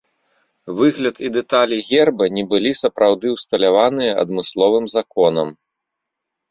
Выгляд і дэталі герба не былі сапраўды ўсталяваныя адмысловым законам.